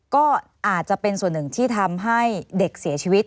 ก็อาจจะเป็นส่วนหนึ่งที่ทำให้เด็กเสียชีวิต